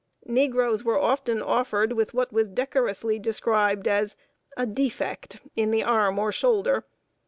Negroes were often offered with what was decorously described as a "defect" in the arm, or shoulder.